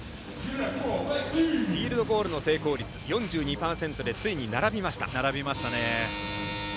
フィールドゴールの成功率４２％ついに並びました。